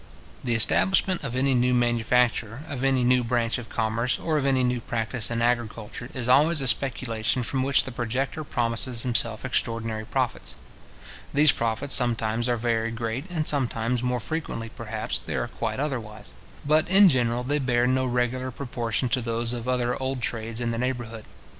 The establishment of any new manufacture, of any new branch of commerce, or of any new practice in agriculture, is always a speculation from which the projector promises himself extraordinary profits. These profits sometimes are very great, and sometimes, more frequently, perhaps, they are quite otherwise; but, in general, they bear no regular proportion to those of other old trades in the neighbourhood.